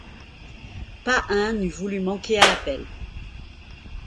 Pas un n’eût voulu manquer à l’appel.